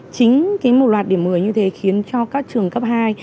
chính một loạt điểm một mươi như thế khiến cho các trường cấp hai